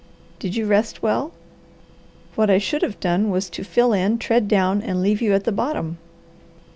Did you rest well? What I should have done was to fill in, tread down, and leave you at the bottom."